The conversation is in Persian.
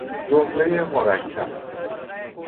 جملهی مرکب